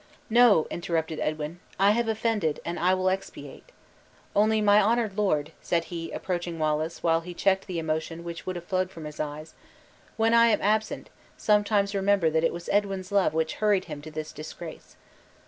"No!" interrupted Edwin; "I have offended and I will explate. Only, my honored lord," said he, approaching Wallace, while he checked the emotion which would have flowed from his eyes, "when I am absent, sometimes remember that it was Edwin's love which hurried him to this disgrace."